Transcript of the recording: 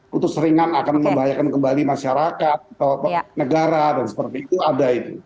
putus ringan akan membahayakan kembali masyarakat atau negara dan seperti itu ada itu